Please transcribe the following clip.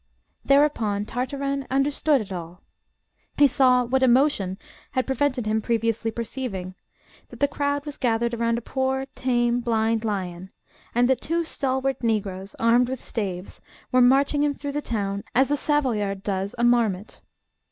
Thereupon Tartarin understood it all. He saw what emotion had prevented him previously perceiving: that the crowd was gathered around a poor tame blind lion, and that two stalwart Negroes, armed with staves, were marching him through the town as a Savoyard does a marmot.